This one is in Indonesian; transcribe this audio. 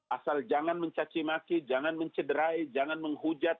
asal jangan mencacimaki jangan mencederai jangan menghujat